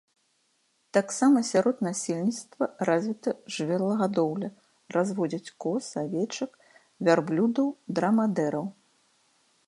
Таксама сярод насельніцтва развіта жывёлагадоўля, разводзяць коз, авечак, вярблюдаў-драмадэраў.